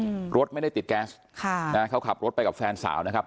อืมรถไม่ได้ติดแก๊สค่ะนะฮะเขาขับรถไปกับแฟนสาวนะครับ